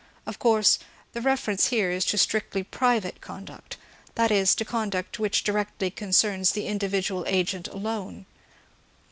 Of course, the reference here is to strictly private conduct ; that is, to conduct which directly concerns the individual agent alone.